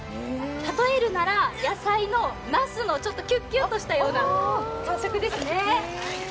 例えるなら、野菜のなすのちょっときゅっきゅっとした感触ですね。